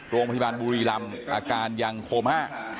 โรงพยาบาลบุรีรำอาการยังโคม่า